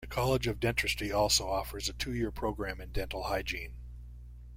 The College of Dentistry also offers a two year program in dental hygiene.